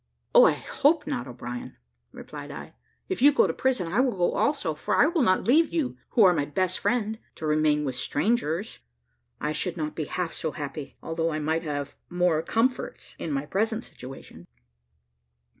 "I hope not, O'Brien," replied I; "if you go to prison, I will go also, for I will not leave you, who are my best friend, to remain with strangers; I should not be half so happy, although I might have more comforts in my present situation."